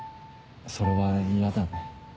それは嫌だね。